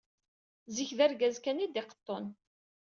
Zik, d argaz kan i d-iqeṭṭun.